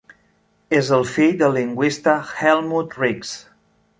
És el fill del lingüista Helmut Rix.